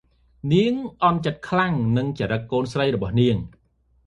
នាងអន់ចិត្តខ្លាំងនិងចរិតកូនស្រីរបស់នាង ។